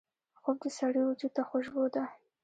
خوب د سړي وجود ته خوشبو ده